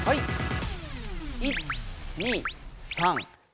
１２３４。